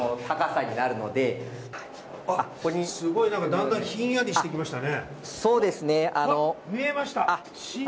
だんだんひんやりしてきましたね。